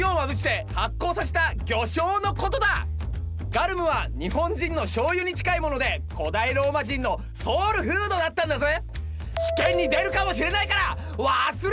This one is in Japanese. ガルムは日本人のしょうゆに近いもので古代ローマ人のソウルフードだったんだぜ。